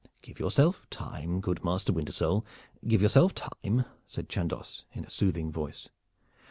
"Give yourself time, good Master Wintersole, give yourself time!" said Chandos in a soothing voice.